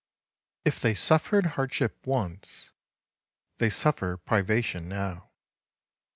If they suffered hardship once, they suffer privation now.